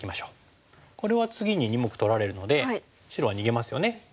これは次に２目取られるので白は逃げますよね。